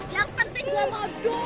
yang penting gue mau duit